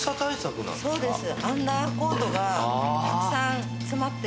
そうです。